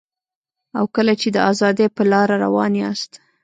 او کله چي د ازادۍ په لاره روان یاست